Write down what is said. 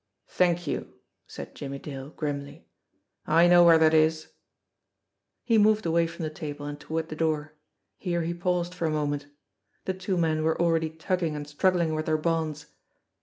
"Thank you !" said Jimmie Dale grimly. "I know where that is." He moved away from the table and toward the door. Here he paused for a moment. The two men were already tugging and struggling with their bonds.